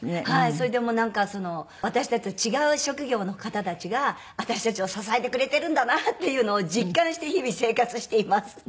それでもうなんか私たちと違う職業の方たちが私たちを支えてくれてるんだなっていうのを実感して日々生活しています。